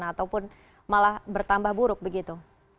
atau pun malah bertambah buruk begitu